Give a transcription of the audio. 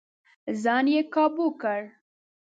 ځان يې کابو کړ.